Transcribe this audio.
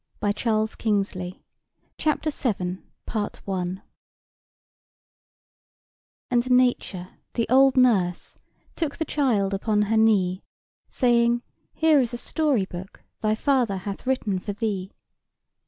[Picture: Newt] CHAPTER VII "And Nature, the old Nurse, took The child upon her knee, Saying, 'Here is a story book Thy father hath written for thee.